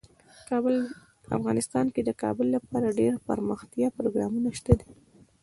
افغانستان کې د کابل لپاره ډیر دپرمختیا پروګرامونه شته دي.